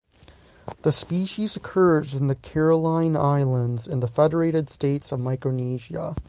The species occurs in the Caroline Islands in the Federated States of Micronesia.